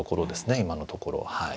今のところはい。